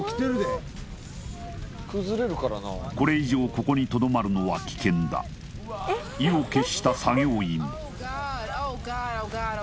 これ以上ここにとどまるのは危険だ意を決した作業員・ＯｈＧｏｄＧｏｄＧｏｄ！